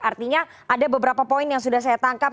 artinya ada beberapa poin yang sudah saya tangkap